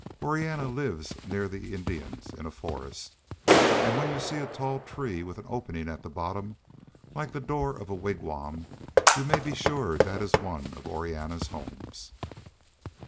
"Orianna lives near the Indians in a forest, and when you see a tall tree with an opening at the bottom like the door of a wigwam you may be sure that it is one of Orianna's homes.